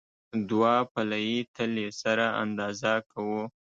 دوه پله یي تلې سره اندازه کوو.